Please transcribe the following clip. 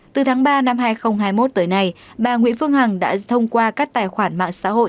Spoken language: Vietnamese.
từ tháng ba năm hai nghìn hai mươi một tới nay bà nguyễn phương hằng đã thông qua các tài khoản mạng xã hội